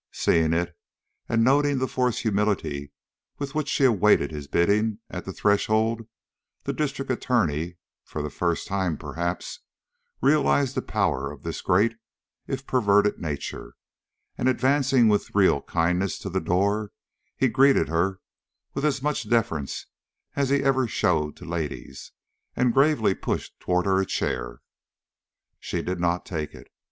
Seeing it, and noting the forced humility with which she awaited his bidding at the threshold, the District Attorney, for the first time perhaps, realized the power of this great, if perverted, nature, and advancing with real kindness to the door, he greeted her with as much deference as he ever showed to ladies, and gravely pushed toward her a chair. She did not take it.